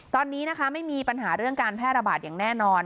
ตอนนี้นะคะไม่มีปัญหาเรื่องการแพร่ระบาดอย่างแน่นอน